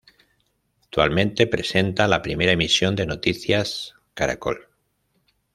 Actualmente presenta la primera emisión de "Noticias Caracol".